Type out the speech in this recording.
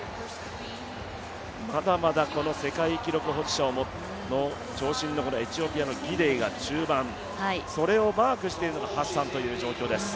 まだまだ世界記録保持者の長身のエチオピアのギデイが中盤それをマークしているのがハッサンという状況です。